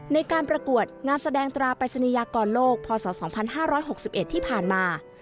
ในการประกวดงานแสดงตราปริศนียากรโลกพศ๒๕๖๑ที่ผ่านมา